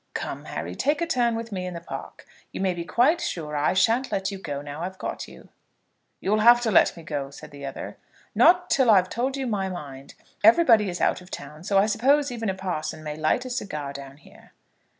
Come, Harry, take a turn with me in the park. You may be quite sure I shan't let you go now I've got you." "You'll have to let me go," said the other. "Not till I've told you my mind. Everybody is out of town, so I suppose even a parson may light a cigar down here.